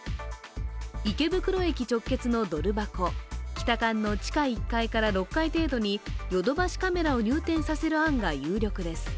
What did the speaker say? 池袋駅直結のドル箱、北館の地下１階から６階程度にヨドバシカメラを入店させる案が有力です。